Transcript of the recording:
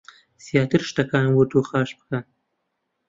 زیاتر شتەکان ورد و خاش بکەن